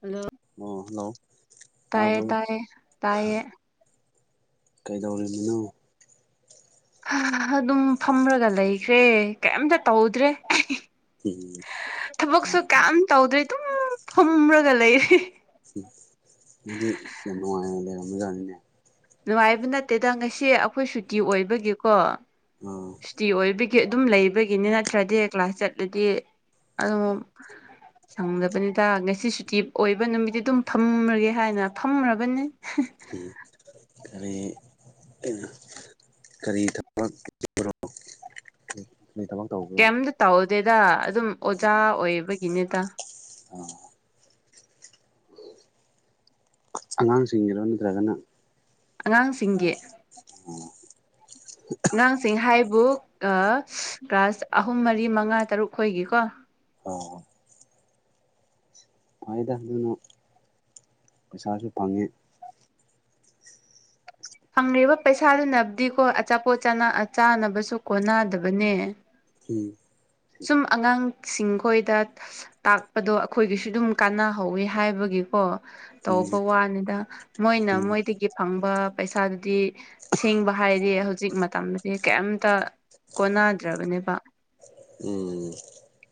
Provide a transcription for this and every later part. hello ꯑꯣ hello ꯇꯥꯏꯌꯦ ꯇꯥꯕ꯭ꯔꯣ ꯇꯥꯏꯌꯦ ꯇꯥꯏꯌꯦ ꯀꯩꯗꯧꯔꯤꯃꯤꯅꯣ ꯑꯗꯨꯝ ꯐꯝꯔꯒ ꯂꯩꯈ꯭ꯔꯦ ꯀꯩꯝꯇ ꯇꯧꯗ꯭ꯔꯦ ꯎꯝ ꯊꯕꯛꯁꯨ ꯀꯌꯥꯝ ꯇꯧꯗ꯭ꯔꯦ ꯑꯗꯨꯝ ꯐꯨꯝꯔꯒ ꯂꯩꯌꯦ ꯃꯤꯗꯤ ꯁꯤ ꯌꯥꯝ ꯅꯨꯡꯉꯥꯏꯅ ꯂꯩꯔꯝꯃꯦꯖꯥꯠꯅꯤꯅꯦ ꯅꯨꯡꯉꯥꯏꯕ ꯅꯠꯇꯦꯗ ꯉꯁꯤ ꯑꯈꯣꯏ ꯁꯨꯇꯤ ꯑꯣꯏꯕꯒꯤꯀꯣ ꯑ ꯁꯨꯇꯤ ꯑꯣꯏꯕꯒꯤ ꯑꯗꯨꯝ ꯂꯩꯕꯒꯤꯅꯦ ꯅꯠꯇ꯭ꯔꯗꯤ ꯀ꯭ꯂꯥꯁ ꯆꯠꯂꯗꯤ ꯑꯗꯨꯝ ꯁꯪꯗꯕꯅꯤꯗ ꯉꯁꯤ ꯁꯨꯇꯤ ꯑꯣꯏꯕ ꯅꯨꯃꯤꯠꯇꯤ ꯑꯗꯨꯝ ꯐꯝꯔꯒꯦ ꯍꯥꯏꯅ ꯐꯝꯔꯕꯅꯤ ꯑꯦ ꯀꯔꯤ ꯑꯦ ꯀꯔꯤ ꯊꯕꯛ ꯆꯠꯄꯔꯣ ꯀꯔꯤ ꯀꯔꯤ ꯇꯧꯕꯅꯣ ꯀꯩꯝꯇ ꯇꯧꯗꯦꯗ ꯑꯗꯨꯝ ꯑꯣꯖꯥ ꯑꯣꯏꯕꯒꯤꯅꯦꯗ ꯑꯣ ꯑꯉꯥꯡꯁꯤꯡꯒꯤꯔꯣ ꯅꯠꯇ꯭ꯔꯒꯅ ꯑꯉꯥꯡꯁꯤꯡꯒꯤ ꯑꯣ ꯑꯉꯥꯡꯁꯤꯡ ꯍꯥꯏꯕꯨ ꯀ꯭ꯂꯥꯁ ꯑꯥ ꯑꯍꯨꯝ ꯃꯔꯤ ꯃꯉꯥ ꯇꯔꯨꯛ ꯈꯣꯏꯒꯤꯀꯣ ꯑꯣ ꯐꯩꯗ ꯑꯗꯨꯅ ꯄꯩꯁꯥꯁꯨ ꯐꯪꯉꯦ ꯐꯪ꯭ꯂꯤꯕ ꯄꯩꯁꯥꯗꯨꯅꯕꯨꯗꯤꯀꯣ ꯑꯆꯥꯄꯣꯠ ꯆꯥꯟꯅ ꯆꯥꯅꯕꯁꯨ ꯀꯣꯟꯅꯗꯕꯅꯦ ꯎꯝ ꯁꯨꯝ ꯑꯉꯥꯡꯁꯤꯡ ꯈꯣꯏꯗ ꯇꯥꯛꯄꯗꯣ ꯑꯩꯈꯣꯏꯒꯤꯁꯨ ꯑꯗꯨꯝ ꯀꯥꯟꯅꯍꯧꯋꯤ ꯍꯥꯏꯕꯒꯤꯀꯣ ꯇꯧꯕ ꯋꯥꯅꯤꯗ ꯃꯣꯏꯅ ꯎꯝ ꯃꯣꯏꯗꯒꯤ ꯐꯪꯕ ꯄꯩꯁꯥꯗꯨꯗꯤ ꯁꯦꯡꯕ ꯍꯥꯏꯔꯗꯤ ꯍꯧꯖꯤꯛ ꯃꯇꯝꯗ ꯁꯤ ꯀꯩꯝꯇ ꯀꯣꯟꯅꯗ꯭ꯔꯕꯅꯦꯕ ꯎꯝ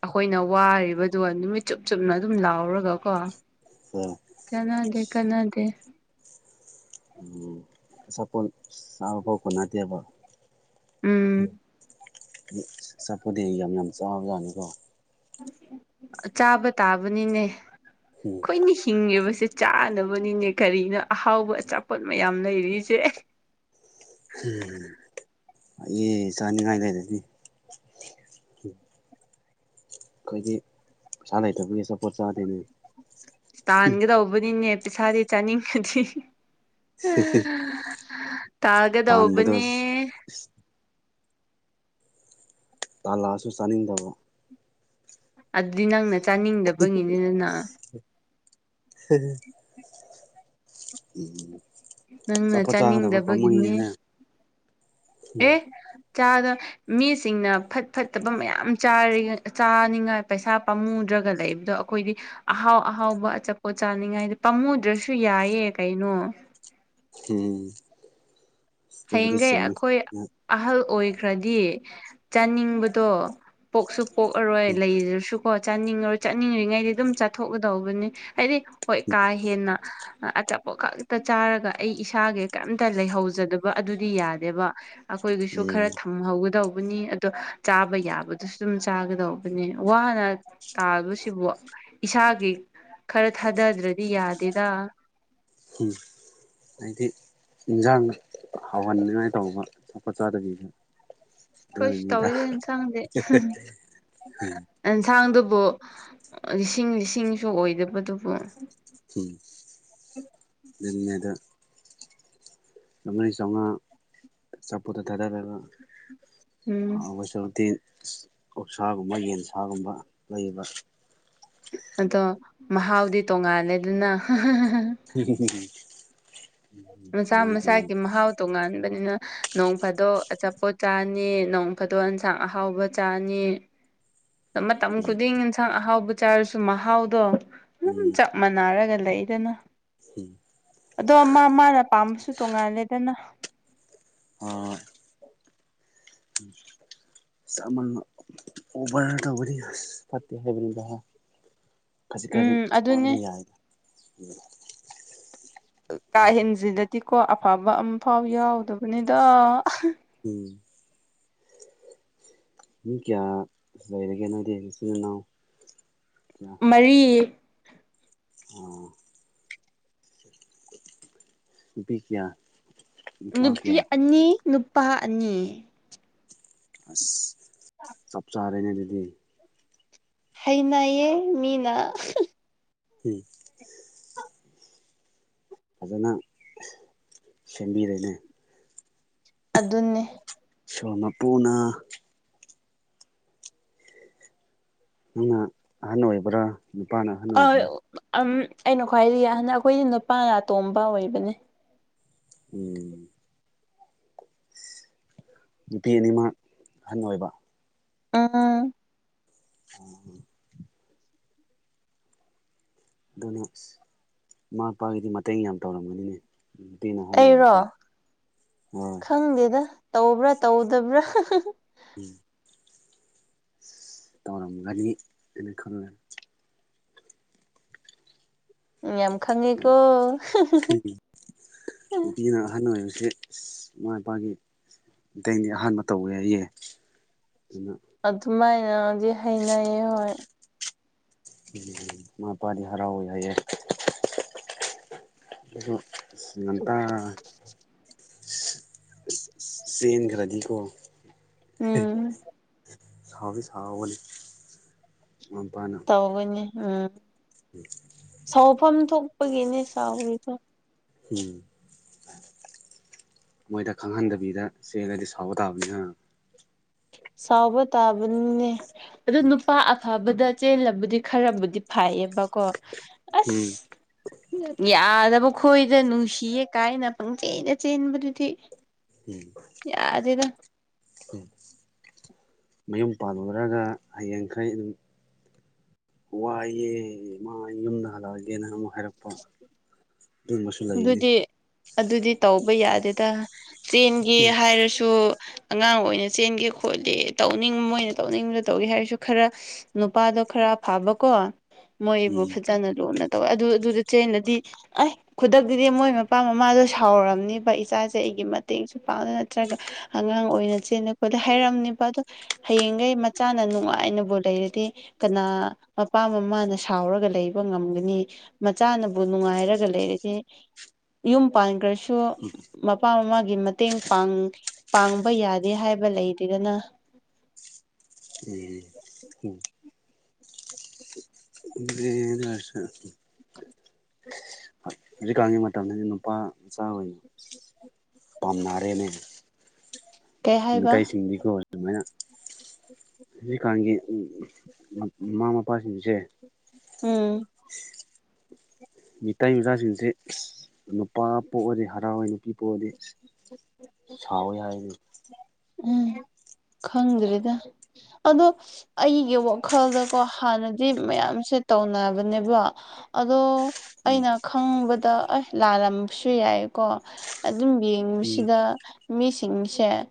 ꯑꯩꯈꯣꯏꯅ ꯋꯥꯔꯤꯕꯗꯣ ꯅꯨꯃꯤꯠ ꯆꯨꯞ ꯆꯨꯞꯅ ꯑꯗꯨꯝ ꯂꯥꯎꯔꯒ ꯀꯣ ꯑꯣ ꯀꯅꯥꯗꯦ ꯀꯅꯥꯗꯦ ꯎꯝ ꯑꯆꯥꯄꯣꯠ ꯁꯥꯕꯐꯥꯎ ꯀꯣꯟꯅꯗꯦꯕ ꯎꯝ ꯑꯆꯥꯄꫭꯠꯗꯤ ꯌꯥꯝ ꯌꯥꯝ ꯆꯥꯕ ꯖꯥꯠꯅꯤꯀꯣ ꯆꯥꯕ ꯇꯥꯕꯅꯤꯅꯦ ꯎꯝ ꯑꯩꯈꯣꯏꯅ ꯍꯤꯡꯉꯤꯕꯁꯦ ꯆꯥꯅꯕꯅꯤꯅꯦ ꯀꯔꯤꯅꯣ ꯑꯍꯥꯎꯕ ꯑꯆꯥꯄꯣꯠ ꯃꯌꯥꯝ ꯂꯩꯔꯤꯁꯦ ꯍꯤ ꯐꯤꯏꯌꯦ ꯆꯥꯅꯤꯉꯥꯏ ꯂꯩꯔꯗꯤ ꯍꯝ ꯑꯈꯣꯏꯗꯤ ꯄꯩꯁꯥ ꯂꯩꯇꯕꯒꯤ ꯑꯆꯥꯄꯣꯠ ꯆꯥꯗꯦꯅꯦ ꯇꯥꯟꯒꯗꯧꯕꯅꯤꯅꯦ ꯄꯩꯁꯥꯗꯤ ꯆꯥꯅꯤꯡꯉꯗꯤ ꯇꯥꯟꯕꯗꯣ ꯇꯥꯒꯗꯧꯕꯅꯦ ꯇꯥꯜꯂꯥꯛ ꯑꯁꯨ ꯆꯥꯅꯤꯡꯗꯕ ꯑꯗꯨꯗꯤ ꯅꯪꯅ ꯆꯥꯅꯤꯡꯗꯕꯒꯤꯅꯦꯗꯅ ꯍꯦ ꯍꯦ ꯎꯝ ꯅꯪꯅ ꯑꯆꯥꯄꯣꯠ ꯆꯥꯒꯗꯕ ꯆꯥꯅꯤꯡꯗꯕꯒꯤꯅꯦ ꯄꯥꯝꯃꯨꯏꯌꯦꯅꯦ ꯍꯝ ꯆꯥꯗꯣꯏ ꯃꯤꯁꯤꯡꯅ ꯐꯠ ꯐꯠꯇꯕ ꯃꯌꯥꯝ ꯆꯥꯔꯤꯒ ꯆꯥꯅꯤꯡꯉꯥꯏ ꯄꯩꯁꯥ ꯄꯥꯝꯃꯨꯗ꯭ꯔꯒ ꯂꯩꯕ ꯑꯗꯣ ꯑꯈꯣꯏꯗꯤ ꯑꯍꯥꯎ ꯑꯍꯥꯎꯕ ꯑꯆꯥꯄꯣꯠ ꯆꯥꯅꯤꯡꯉꯥꯏꯗꯤ ꯄꯥꯝꯃꯨꯗ꯭ꯔꯁꯨ ꯌꯥꯏꯌꯦ ꯀꯩꯅꯣ [unintelligible] ꯑꯗꯨꯕꯨꯗꯤ ꯍꯌꯦꯡꯈꯩ ꯆꯨꯝꯃꯤ ꯑꯩꯈꯣꯏ ꯑꯍꯜ ꯑꯣꯏꯈ꯭ꯔꯗꯤ ꯆꯥꯅꯤꯡꯕꯗꯣ ꯄꯣꯛꯁꯨ ꯄꯣꯛꯑꯔꯣꯏ ꯎꯝ ꯂꯩꯖ꯭ꯔꯁꯨ ꯍꯣ ꯆꯥꯅꯤꯡꯉꯔꯣ ꯆꯥꯅꯤꯡꯉꯔꯤꯉꯩꯗꯤ ꯑꯗꯨꯝ ꯆꯠꯊꯣꯛꯀꯗꯧꯕꯅꯤ ꯍꯥꯏꯗꯤ ꯍꯣꯏ ꯀꯥ ꯍꯦꯟꯅ ꯑꯆꯥꯄꯣꯠ ꯈꯛꯇ ꯆꯥꯔꯒ ꯑꯩ ꯏꯁꯥꯒꯤ ꯀꯩꯝꯇ ꯂꯩꯍꯧꯖꯗꯕ ꯑꯗꯨꯗꯤ ꯌꯥꯗꯦꯕ ꯑꯈꯣꯏꯒꯤꯁꯨ ꯈꯔ ꯊꯞ ꯎꯝ ꯍꯧꯒꯗꯧꯕꯅꯤ ꯑꯗꯣ ꯆꯥꯕ ꯌꯥꯕꯗꯨꯁꯨ ꯑꯗꯨꯝ ꯆꯥꯒꯗꯧꯕꯅꯤ ꯋꯥꯅ ꯇꯥꯕꯁꯤꯕꯨ ꯏꯁꯥꯒꯤ ꯈꯔ ꯊꯥꯗꯗ꯭ꯔꯗꯤ ꯌꯥꯗꯦꯗ ꯍꯝ ꯍꯥꯏꯗꯤ ꯏꯟꯖꯥꯡ ꯍꯥꯎꯍꯟꯅꯤꯡꯉꯥꯏ ꯇꯧꯕ ꯑꯇꯣꯛꯄ ꯆꯥꯗꯕꯤꯗ ꯑꯈꯣꯏꯁꯨ ꯑꯗꯨꯅꯅꯤꯗ ꯇꯧꯋꯦꯗ ꯑꯦꯟꯁꯥꯡꯗꯤ ꯑꯦꯟꯁꯥꯡꯗꯨꯕꯨ ꯂꯤꯁꯤꯡ ꯂꯤꯁꯤꯡꯁꯨ ꯑꯣꯏꯗꯕꯗꯨꯕꯨ ꯎꯝ ꯅꯪ ꯅꯦꯗ ꯂꯧꯅꯩ ꯆꯥꯎꯉꯥ ꯑꯆꯥꯄꫭꯠꯇ ꯊꯥꯗꯔꯒ ꯎꯝ ꯍꯥꯎꯒꯁꯥꯔꯨꯛꯇꯤ ꯑꯁ ꯑꯣꯛꯁꯥꯒꯨꯝꯕ ꯌꯦꯟꯁꯥꯒꯨꯝꯕ ꯂꯩꯕ ꯑꯗꯣ ꯃꯍꯥꯎꯗꯤ ꯇꯣꯡꯉꯥꯜꯂꯦꯗꯅ [unintelligible] ꯃꯆꯥ ꯃꯍꯥꯎꯗꯤ ꯃꯆꯥꯒꯤ ꯇꯣꯉꯥꯟꯕꯅꯤ ꯃꯍꯥꯎ ꯇꯣꯉꯥꯟꯕꯅꯤꯅ ꯅꯣꯡ ꯐꯥꯗꯣꯛ ꯑꯆꯥꯄꯣꯠ ꯆꯥꯅꯤ ꯅꯣꯡ ꯐꯥꯗꯣꯛ ꯑꯦꯟꯁꯥꯡ ꯑꯍꯥꯎꯕ ꯆꯥꯅꯤ [inaudible] ꯃꯇꯝ ꯈꯨꯗꯤꯡ ꯏꯟꯁꯥꯡ ꯑꯍꯥꯎꯕ ꯆꯥꯔꯁꯨ ꯃꯍꯥꯎꯗꯣ ꯑꯗꯨꯝ ꯎꯝ ꯆꯞ ꯃꯥꯟꯅꯔꯒ ꯂꯩꯗꯅ ꯍꯝ ꯑꯗꯣ ꯃꯥ ꯃꯥꯅ ꯄꯥꯝꯕꯁꯨ ꯇꯣꯡꯉꯥꯜꯂꯦꯗꯅ ꯑꯥ ꯎꯝ ꯆꯥꯃꯟꯕ ꯑꯣꯕꯔ ꯇꯧꯕꯗꯤ ꯑꯁ ꯐꯠꯇꯦ ꯍꯥꯏꯕꯅꯤꯗ ꯈꯖꯤ ꯈꯖꯤꯛ ꯎꯝ ꯆꯥꯕꯗꯤ ꯑꯗꯨꯅꯦ ꯌꯥꯏ ꯀꯥꯍꯦꯟꯖꯤꯜꯂꯥꯗꯤꯀꯣ ꯑꯐꯕ ꯑꯃ ꯐꯥꯎ ꯌꯥꯎꯗꯕꯅꯤꯗ ꯎꯝ ꯃꯤ ꯀꯌꯥ ꯂꯣꯏꯔꯒꯦ ꯅꯣꯏꯗꯤ ꯏꯆꯤꯟ ꯏꯅꯥꯎ ꯃꯔꯤ ꯑꯣ ꯅꯨꯄꯤ ꯀꯌꯥ ꯅꯨꯄꯥ ꯅꯨꯄꯤ ꯀꯌꯥ ꯑꯅꯤ ꯅꯨꯄꯥ ꯑꯅꯤ ꯑꯁ ꯆꯞ ꯆꯥꯔꯦꯅꯦ ꯑꯗꯨꯗꯤ ꯍꯩꯅꯩꯑꯦ ꯃꯤꯅꯥ ꯎꯝ ꯐꯖꯅ ꯁꯦꯝꯕꯤꯔꯦꯅꯦ ꯑꯗꯨꯅꯦ ꯁꯣ ꯃꯄꯨꯅ ꯅꯪꯅ ꯑꯍꯜ ꯑꯣꯏꯕ꯭ꯔꯥ ꯅꯨꯄꯥꯅ ꯍꯟ ꯑ ꯑꯩꯅ ꯈ꯭ꯋꯥꯏꯗꯒꯤ ꯍꯟꯗ ꯑꯩꯈꯣꯏꯗꯤ ꯅꯨꯄꯥꯅ ꯑꯇꯣꯝꯕ ꯑꯣꯏꯕꯅꯦ ꯎꯝ ꯅꯨꯄꯤ ꯑꯅꯤꯃꯛ ꯑꯍꯟ ꯑꯣꯏꯕ ꯎꯝ ꯎꯝ ꯍꯨꯍꯨꯝ ꯑꯗꯨꯅ ꯑꯁ ꯃꯃꯥ ꯃꯄꯥꯒꯤꯗꯤ ꯃꯇꯦꯡ ꯌꯥꯝ ꯇꯧꯔꯝꯒꯅꯤꯅꯦ ꯄꯅꯥ ꯑꯩꯔꯣ ꯍꯕꯁꯦ ꯍꯣꯏ ꯈꯪꯗꯦꯗ ꯇꯧꯕ꯭ꯔꯥ ꯇꯧꯗꯕ꯭ꯔꯥ ꯍꯍ ꯎꯝ ꯇꯔꯝ ꯔꯗꯤ ꯑꯩ ꯈꯜꯔꯦ ꯌꯥꯝ ꯈꯪꯉꯦꯀꯣ ꯎ ꯎꯝ ꯅꯨꯄꯤꯅ ꯑꯍꯜ ꯑꯣꯏꯕꯁꯤ ꯑꯁ ꯏꯃꯥ ꯏꯄꯥꯒꯤ ꯃꯇꯦꯡꯗꯤ ꯑꯍꯥꯟꯕ ꯇꯧꯋꯦ ꯍꯥꯏꯌꯦ ꯑꯗꯨꯅ ꯑꯗꯨꯃꯥꯏꯅꯗꯤ ꯍꯩꯅꯩ ꯌꯦ ꯎꯝ ꯃꯄꯥꯗꯤ ꯍꯔꯥꯎ ꯏ ꯌꯥꯏꯌꯦ ꯑꯗꯨ ꯉꯟꯇꯥ ꯁ ꯑꯁ ꯑꯁ ꯆꯦꯟꯈ꯭ꯔꯗꯤ ꯀꯣ ꯎꯝ ꯁꯥꯎꯕꯤ ꯁꯥꯎꯅꯤ ꯑꯄꯥꯅ ꯒꯅꯤ ꯎꯝ ꯁꯥꯎꯐꯝ ꯊꯣꯛꯄꯒꯤꯅꯦ ꯆꯥꯎꯔꯤꯗꯣ ꯎꯝ ꯃꯣꯏꯗ ꯈꯪꯍꯟꯗꯕꯤꯗ ꯆꯦꯂꯗꯤ ꯁꯥꯎꯕ ꯇꯥꯕꯅꯤꯅ ꯍ ꯁꯕ ꯇꯥꯕꯅꯤꯅꯦ ꯑꯗꯨ ꯅꯨꯄꯥ ꯐꯕꯗ ꯆꯦꯜꯂꯕꯨꯗꯤ ꯈꯔꯕꯨꯗꯤ ꯐꯥꯏꯌꯦꯕꯀꯣ ꯎꯝ ꯑꯁ ꯌꯥꯗꯕ ꯈꯣꯏꯗ ꯅꯨꯡꯁꯤꯌꯦ ꯀꯥꯏꯅ ꯄꯪꯆꯦꯅ ꯆꯦꯟꯕꯗꯨꯗꯤ ꯎꯝ ꯌꯥꯗꯦꯗ ꯃꯌꯨꯝ ꯄꯥꯜꯂꯨꯔꯒ ꯍꯌꯦꯡꯈꯩ ꯑꯗꯨꯝ ꯋꯥꯏꯑꯦ ꯃꯥ ꯌꯨꯝꯗ ꯍꯜꯂꯛꯑꯒꯦ ꯅ ꯑꯃꯪꯃꯛ ꯍꯥꯏꯔꯛꯄ ꯑꯗꯨꯒꯕꯁꯨ ꯂꯩꯑꯦꯅꯦ ꯑꯗꯨꯗꯤ ꯑꯗꯨꯗꯤ ꯇꯧꯕ ꯌꯥꯗꯦꯗ ꯆꯦꯟꯒꯦ ꯍꯥꯏꯔꯁꯨ ꯑꯉꯥꯡ ꯑꯣꯏꯅ ꯆꯦꯟꯒꯦ ꯈꯣꯠꯂꯦ ꯇꯧꯅꯤꯡꯕ ꯃꯣꯏꯅ ꯇꯧꯅꯤꯡꯕꯗ ꯇꯧꯒꯦ ꯍꯥꯏꯔꯁꯨ ꯈꯔ ꯅꯨꯄꯥꯗꯣ ꯈꯔ ꯐꯕ ꯀꯣ ꯃꯣꯏꯕꯨ ꯎꯝ ꯐꯖꯅ ꯂꯨꯅ ꯇꯧꯋꯦ ꯑꯗꯨ ꯑꯗꯨꯗ ꯆꯦꯅꯗꯤ ꯑꯩ ꯈꯨꯗꯛꯇꯨꯗꯤ ꯃꯣꯏ ꯃꯄꯥ ꯃꯃꯥꯗꯣ ꯁꯥꯎꯔꯝꯅꯤꯕ ꯏꯆꯥꯁꯦ ꯑꯩꯒꯤ ꯃꯇꯦꯡꯁꯨ ꯄꯥꯡ ꯅꯠꯇ꯭ꯔꯒ ꯑꯉꯥꯡ ꯑꯣꯏꯅ ꯆꯦꯟꯅꯛꯄꯗ ꯍꯥꯏꯔꯝꯅꯦꯕ ꯑꯗꯣ ꯍꯌꯦꯡꯈꯩ ꯃꯆꯥꯅ ꯅꯨꯡꯉꯥꯏꯅꯕꯨ ꯂꯩꯔꯗꯤ ꯀꯅꯥ ꯃꯄꯥ ꯃꯃꯥꯅ ꯁꯥꯎꯔꯒ ꯂꯩꯕ ꯉꯝꯒꯅꯤ ꯃꯆꯥꯅꯕꯨ ꯅꯨꯡꯉꯥꯏꯔꯒ ꯂꯩꯔꯗꯤ ꯌꯨꯝ ꯄꯥꯟꯈ꯭ꯔꯁꯨ ꯃꯄꯥ ꯃꯃꯥꯒꯤ ꯃꯇꯦꯡ ꯄꯥꯡ ꯄꯥꯡꯕ ꯌꯥꯗꯦ ꯍꯥꯏꯕ ꯂꯩꯇꯗꯅ ꯎꯝ ꯎꯝ ꯎ ꯅꯁꯛꯇꯨ ꯍꯧꯖꯤꯛꯀꯥꯟꯒꯤ ꯃꯇꯝꯗꯗꯤ ꯅꯨꯄꯥ ꯆꯥꯡ ꯄꯥꯝꯅꯔꯦꯅꯦ ꯀꯩ ꯍꯥꯏꯕ ꯃꯤꯇꯩꯁꯤꯡꯗꯤꯀꯣ ꯑꯗꯨꯃꯥꯏꯅ ꯍꯧꯖꯤꯛ ꯀꯥꯟꯒꯤ ꯎꯝ ꯃꯃꯥ ꯃꯄꯥꯁꯤꯡꯁꯦ ꯎꯝ ꯃꯤꯇꯩ ꯃꯆꯥꯁꯤꯡꯁꯦ ꯅꯨꯄꯥ ꯄꯣꯛꯑꯗꯤ ꯍꯔꯥꯎꯔꯏ ꯅꯨꯄꯤ ꯄꯣꯛ ꯑꯗꯤ ꯁꯥꯎꯏ ꯍꯥꯏꯗꯤ ꯎꯝ ꯈꯪꯗ꯭꯭ꯔꯦꯗ ꯑꯗꯣ ꯑꯩꯒꯤ ꯋꯥꯈꯜꯗꯀꯣ ꯍꯥꯟꯅꯗꯤ ꯃꯌꯥꯝꯁꯦ ꯇꯧꯅꯕꯅꯦꯕ ꯑꯗꯣ ꯑꯩꯅ ꯈꯪꯕꯗ ꯑꯦꯁ ꯂꯥꯜꯂꯝꯕꯁꯨ ꯌꯥꯏꯀꯣ ꯑꯗꯨꯝ ꯎꯝ ꯌꯦꯡꯕꯁꯤꯗ ꯃꯤꯁꯤꯡꯁꯦ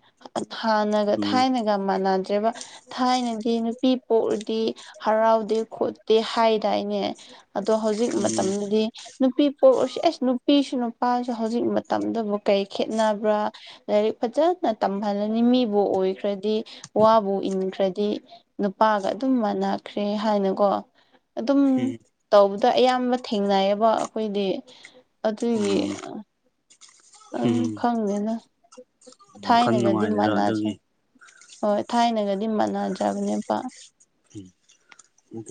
ꯍꯥꯟꯅꯒ ꯎꯝ ꯊꯥꯏꯅꯒ ꯌꯥꯝ ꯃꯥꯟꯅꯗ꯭ꯔꯦꯕ ꯊꯥꯏꯅꯗꯤ ꯅꯨꯄꯤ ꯄꯣꯛꯑꯗꯤ ꯍꯔꯥꯎꯗꯦ ꯈꯣꯠꯇꯦ ꯍꯥꯏꯗꯥꯏꯅꯦ ꯑꯗꯣ ꯍꯧꯖꯤꯛ ꯎꯝ ꯃꯇꯝꯗꯗꯤ ꯅꯨꯄꯤ ꯄꯣꯛꯎꯔꯁꯤ ꯑꯁ ꯅꯨꯄꯤꯁꯨ ꯅꯨꯄꯥꯁꯨ ꯍꯧꯖꯤꯛ ꯃꯇꯝꯗꯕꯨ ꯀꯩ ꯈꯦꯠꯅꯕ꯭ꯔꯥ ꯂꯥꯏꯔꯤꯛ ꯐꯖꯅ ꯇꯝꯍꯜꯂꯅꯤ ꯃꯤꯕꯨ ꯑꯣꯏꯈ꯭ꯔꯗꯤ ꯋꯥꯕꯨ ꯏꯟꯈ꯭ꯔꯗꯤ ꯅꯨꯄꯥꯒ ꯑꯗꯨꯝ ꯃꯥꯟꯅꯈ꯭ꯔꯦ ꯍꯥꯏꯅꯀꯣ ꯑꯗꯨꯝ ꯇꯧꯕꯗ ꯑꯌꯥꯝꯕ ꯊꯦꯡꯅꯩꯌꯦꯕ ꯑꯩꯈꯣꯏꯗꯤ ꯑꯗꯨꯒꯤ ꯎꯝ ꯎꯝ ꯎꯝ ꯈꯪꯗꯦꯅ ꯋꯥꯈꯜ ꯊꯥꯏꯅꯒꯗꯤ ꯅꯨꯡꯉꯥꯏꯗꯔꯥ ꯃꯅꯗꯔꯦ ꯑꯗꯨꯒꯤ ꯍꯣꯏ ꯊꯥꯏꯅꯒꯗꯤ ꯃꯥꯟꯅꯗ꯭ꯔꯕꯅꯦꯕ ꯎꯝ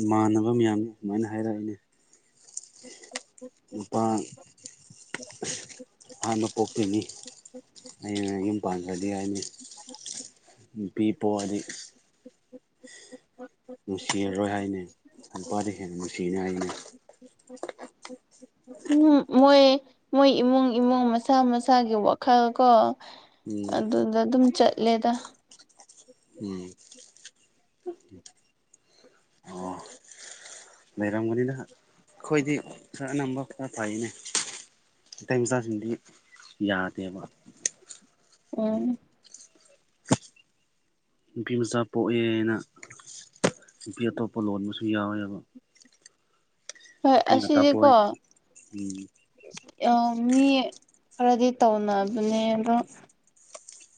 ꯏꯃꯥꯟꯅꯕ ꯃꯌꯥꯝꯅ ꯑꯗꯨꯃꯥꯏꯅ ꯍꯥꯏꯔꯛꯏꯅꯦ ꯅꯨꯄꯥꯥ ꯑꯁ ꯍꯥꯟꯕ ꯄꯣꯛꯇꯣꯏꯗꯤ ꯑꯩꯅ ꯌꯨꯝ ꯄꯥꯟꯈ꯭ꯔꯗꯤ ꯍꯥꯏꯅꯤ ꯅꯨꯄꯤ ꯄꯣꯛꯑꯗꯤ ꯅꯨꯡꯁꯤꯔꯔꯣꯏ ꯍꯥꯏꯅꯤ ꯅꯨꯄꯥꯗ ꯍꯦꯟꯅ ꯅꯨꯡꯁꯤꯅꯤ ꯍꯥꯏꯅꯦ ꯎꯝ ꯃꯣꯏ ꯃꯣꯏ ꯏꯃꯨꯡ ꯏꯃꯨꯡ ꯃꯁꯥ ꯃꯁꯥꯒꯤ ꯋꯥꯈꯜ ꯀꯣ ꯎꯝ ꯑꯗꯨꯗ ꯑꯗꯨꯝ ꯆꯠꯂꯦꯗ ꯎꯝ ꯑꯣ ꯂꯩꯔꯝꯒꯅꯤꯗ ꯑꯩꯈꯣꯏꯗꯤ ꯈꯔ ꯑꯅꯝꯕ ꯈꯔ ꯐꯩꯅꯦ ꯃꯩꯇꯩ ꯃꯆꯥꯁꯤꯡꯗꯤ ꯌꯥꯗꯦꯕ ꯎꯝ ꯅꯨꯄꯤ ꯃꯆꯥ ꯄꯣꯛꯑꯦꯅ ꯅꯨꯄꯤ ꯑꯇꯣꯞꯄ ꯂꯣꯟꯕꯁꯨ ꯌꯥꯎꯋꯦꯕ ꯍꯣꯏ ꯅꯨꯄꯤ ꯉꯥꯛꯇ ꯑꯁꯤꯁꯦꯀꯣ ꯄꯣꯛꯑꯦ ꯎꯝ ꯑ ꯃꯤ ꯈꯔꯗꯤ ꯇꯧꯅꯕꯅꯦ ꯑꯗꯣ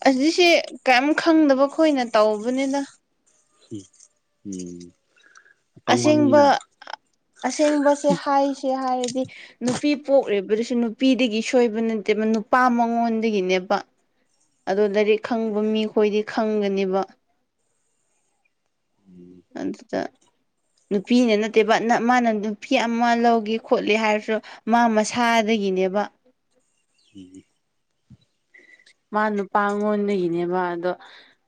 ꯑꯖꯤꯁꯤ ꯀꯔꯤꯝ ꯈꯪꯗꯕ ꯈꯣꯏꯅ ꯇꯧꯕꯅꯦꯗ ꯎꯝ ꯑꯄꯪꯕ ꯑꯁꯦꯡꯕ ꯃꯤꯅ ꯑꯁꯦꯡꯕꯁꯦ ꯍꯥꯏꯁꯦ ꯍꯥꯏꯔꯗꯤ ꯅꯨꯄꯤ ꯄꯣꯛꯢꯗꯨꯁꯨ ꯅꯨꯄꯤꯗꯒꯤ ꯁꯣꯏꯕ ꯅꯠꯇꯦꯕ ꯅꯨꯄꯥ ꯃꯉꯣꯟꯗꯒꯤꯅꯦꯕ ꯑꯗꯣ ꯂꯥꯏꯔꯤꯛ ꯈꯪꯕ ꯃꯤꯈꯣꯏꯗꯤ ꯈꯪꯒꯅꯦꯕ ꯑꯗꯨꯗ ꯅꯨꯄꯤꯅ ꯅꯠꯇꯦꯕꯅ ꯃꯥꯅ ꯅꯨꯄꯤ ꯑꯃ ꯂꯧꯒꯦ ꯈꯣꯠꯂꯦ ꯍꯥꯏꯔꯁꯨ ꯃꯥ ꯃꯁꯥꯗꯒꯤꯅꯦꯕ ꯎꯝ ꯃꯥ ꯅꯨꯄꯥꯉꯣꯟꯗꯒꯤꯅꯦꯕ ꯑꯗꯣ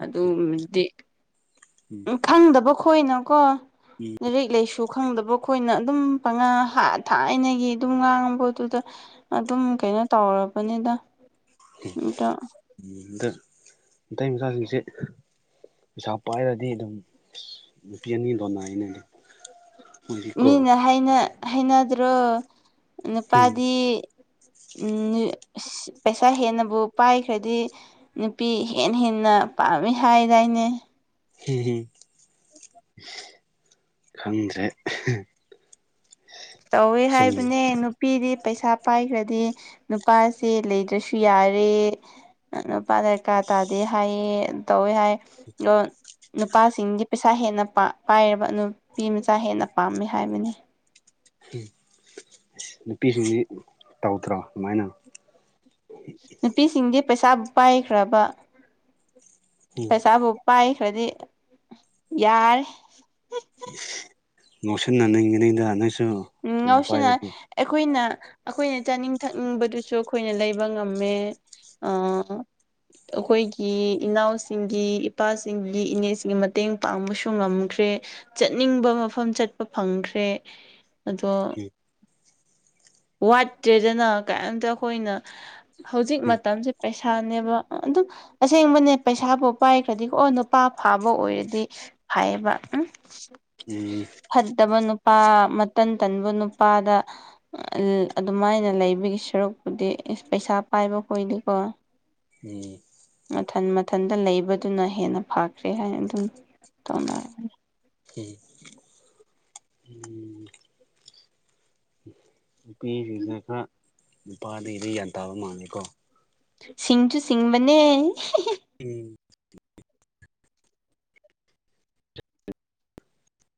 ꯑꯗꯨꯉꯨꯝꯕꯗꯤ ꯎꯝ ꯈꯪꯗꯕꯈꯣꯏꯅꯀꯣ ꯂꯥꯏꯔꯤꯛ ꯂꯥꯏꯁꯨ ꯈꯪꯗꯕ ꯈꯣꯏꯅ ꯑꯗꯨꯝ ꯄꯉꯥ ꯊꯥꯏꯅꯒꯤ ꯑꯗꯨꯝ ꯉꯥꯡꯕꯗꯨꯗ ꯑꯗꯨꯝ ꯀꯩꯅꯣ ꯇꯧꯔꯕꯅꯤꯗ ꯑꯗ ꯎꯝꯗ ꯃꯤꯇꯩ ꯃꯆꯥꯥꯁꯤꯡꯁꯦ ꯄꯩꯁꯥ ꯄꯥꯏꯔꯗꯤ ꯑꯗꯨꯝ ꯅꯨꯄꯤ ꯑꯅꯤ ꯂꯣꯟꯅꯩꯅꯦ ꯃꯣꯏꯗꯤꯀꯣ ꯃꯤꯅ ꯍꯥꯢꯅꯗ꯭ꯔꯣ ꯎꯝ ꯅꯨꯄꯥꯗꯤ ꯎꯝ ꯄꯩꯁꯥ ꯍꯦꯟꯅꯕꯨ ꯄꯥꯏꯈ꯭ꯔꯗꯤ ꯅꯨꯄꯤ ꯍꯦ ꯍꯦꯟꯅ ꯄꯥꯝꯃꯤ ꯍꯥꯏꯗꯥꯏꯅꯦ ꯑꯝ ꯈꯪꯗ꯭ꯔꯦ ꯇꯧꯋꯦ ꯁꯨꯝ ꯍꯥꯏꯕꯅꯦ ꯅꯨꯄꯤꯗꯤ ꯄꯩꯁꯥ ꯄꯥꯏꯈ꯭ꯔꯗꯤ ꯅꯨꯄꯥꯁꯦ ꯂꯩꯗ꯭ꯔꯁꯨ ꯌꯥꯔꯦ ꯅꯨꯄꯥ ꯗꯔꯀꯥꯔ ꯇꯥꯗꯦ ꯍꯥꯏꯌꯦ ꯇꯧꯋꯦ ꯍꯥꯏ ꯑꯣ ꯅꯨꯄꯥꯁꯤꯡꯗꯤ ꯄꯩꯁꯥ ꯍꯦꯟꯅ ꯄꯥꯏꯔꯕ ꯅꯨꯄꯤ ꯃꯆꯥ ꯍꯦꯟꯅ ꯄꯥꯝꯃꯤ ꯍꯥꯏꯕꯅꯤ ꯎ ꯑꯁ ꯅꯨꯄꯤꯁꯤꯡꯁꯤ ꯇꯧꯗ꯭ꯔꯥ ꯑꯗꯨꯃꯥꯏꯅ ꯅꯨꯄꯤꯁꯤꯡꯗꯤ ꯄꯩꯁꯥꯕꯨ ꯄꯥꯏꯈ꯭ꯔꯕ ꯄꯩꯁꯥꯕꯨ ꯄꯥꯏꯈ꯭ꯔꯗꯤ ꯌꯥꯔꯦ ꯉꯧꯁꯤꯟꯅꯅꯤꯡꯉꯤꯢꯗ ꯅꯪꯁꯨ ꯎꯝ ꯌꯥꯝ ꯉꯧꯁꯤꯅ ꯄꯥꯏꯔꯗꯤ ꯑꯩꯈꯣꯏꯅ ꯑꯩꯈꯣꯏꯅ ꯆꯥꯅꯤꯡ ꯊꯛꯅꯤꯡꯕꯗꯨꯁꯨ ꯑꯩꯈꯣꯏꯅ ꯂꯩꯕ ꯉꯝꯃꯦ ꯑꯥ ꯑꯩꯈꯣꯏꯒꯤ ꯏꯅꯥꯎꯁꯤꯡꯒꯤ ꯏꯄꯥꯁꯤꯡꯒꯤ ꯏꯅꯦꯁꯤꯡꯒꯤ ꯃꯇꯦꯡ ꯄꯥꯡꯕꯁꯨ ꯉꯝꯈ꯭ꯔꯦ ꯆꯠꯅꯤꯡꯕ ꯃꯐꯝ ꯆꯠꯄ ꯐꯪꯈ꯭ꯔꯦ ꯑꯗꯣ ꯎ [inaudible] ꯋꯥꯇꯦꯗꯅꯥ ꯀꯔꯤꯝꯇ ꯑꯩꯈꯣꯏꯅ ꯍꯧꯖꯤꯛ ꯎꯝ ꯃꯇꯝꯁꯦ ꯄꯩꯁꯥ ꯁꯥꯅꯦꯕ ꯑꯗꯨꯝ ꯑꯁꯦꯡꯕꯅꯦ ꯄꯩꯁꯥꯕꯨ ꯄꯥꯏꯈ꯭ꯔꯗꯤꯀꯣ ꯅꯨꯄꯥ ꯐꯥꯕ ꯑꯣꯏꯔꯗꯤ ꯍꯥꯏꯌꯦꯕ ꯎꯝ ꯎꯝ ꯐꯠꯇꯕ ꯅꯨꯄꯥ ꯃꯇꯟ ꯇꯟꯕ ꯅꯨꯄꯥꯗ ꯑ ꯑꯗꯨꯃꯥꯏꯅ ꯂꯩꯕꯒꯤ ꯁꯔꯨꯛꯄꯨꯗꯤ ꯏ ꯄꯩꯁꯥ ꯄꯥꯏꯕ ꯀꯣꯏꯗꯤꯀꯣ ꯎꯝ ꯃꯊꯟ ꯃꯊꯟꯇ ꯂꯩꯕꯗꯨꯅ ꯍꯦꯟꯅ ꯐꯈ꯭ꯔꯦ ꯍꯥꯏ ꯑꯗꯨꯝ ꯇꯧꯅꯔꯦ ꯑꯝ ꯅꯨꯄꯤꯁꯤꯡꯁꯦ ꯈꯔ ꯅꯨꯄꯥꯗꯒꯤꯗꯤ ꯒ꯭ꯌꯥꯟ ꯇꯥꯕ ꯃꯥꯜꯂꯦꯀꯣ ꯁꯤꯡꯁꯨ ꯁꯤꯡꯕꯅꯦ ꯑꯝ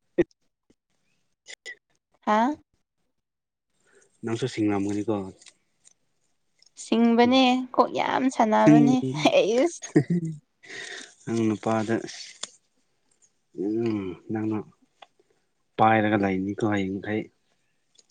[unintelligible] ꯍꯥꯥ ꯅꯪꯁꯨ ꯁꯤꯡꯂꯝꯒꯅꯤꯀꯣ ꯁꯤꯡꯕꯅꯦ ꯀꯣꯛ ꯌꯥꯝ ꯁꯥꯟꯅꯕꯅꯦ ꯍꯩ ꯏꯁ ꯏꯍꯤ [inaudible] ꯅꯪ ꯅꯨꯄꯥꯗꯣ ꯑꯁ ꯎꯝ ꯅꯪꯅ ꯄꯥꯏꯔꯒ ꯂꯩꯅꯤꯀꯣ ꯍꯌꯦꯡ ꯃꯈꯩ